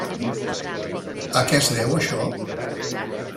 A què es deu això?